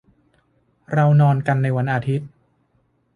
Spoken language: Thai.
เรานอนกันในวันอาทิตย์